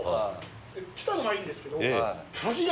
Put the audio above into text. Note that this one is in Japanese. で来たのはいいんですけど。